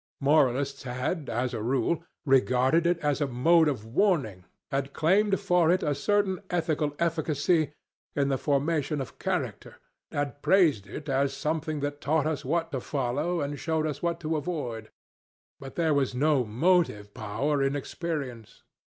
Moralists had, as a rule, regarded it as a mode of warning, had claimed for it a certain ethical efficacy in the formation of character, had praised it as something that taught us what to follow and showed us what to avoid. But there was no motive power in experience.